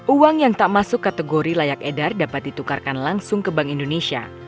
uang yang tak masuk kategori layak edar dapat ditukarkan langsung ke bank indonesia